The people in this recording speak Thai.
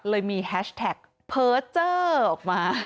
เลยมีแฮชแท็กเพอร์เจอร์ออกมา